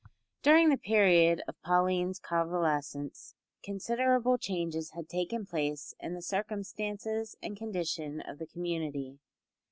During the period of Pauline's convalescence considerable changes had taken place in the circumstances and condition of the community.